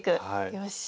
よし。